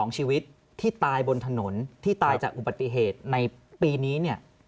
๒ชีวิตที่ตายบนถนนที่ตายจากอุบัติเหตุในปีนี้เนี่ย